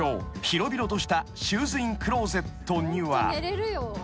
広々としたシューズインクローゼットには］